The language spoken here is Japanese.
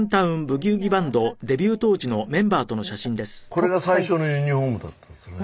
これが最初のユニホームだったんですよね。